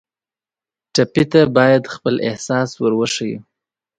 ټپي ته باید خپل احساس ور وښیو.